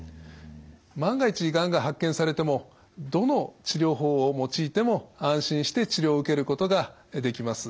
万が一がんが発見されてもどの治療法を用いても安心して治療を受けることができます。